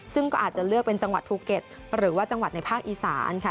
ซึ่งก็อาจจะเลือกเป็นจังหวัดภูเก็ตหรือว่าจังหวัดในภาคอีสานค่ะ